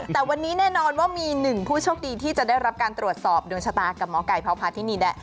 แต่วันนี้แน่นอนว่ามีหนึ่งผู้โชคดีที่จะได้รับการตรวจสอบดวงชะตากับหมอไก่เผาพาที่นี่แหละ